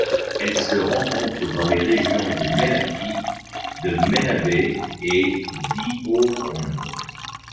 Elle se rencontre dans les régions de Melaky, de Menabe et d'Ihorombe.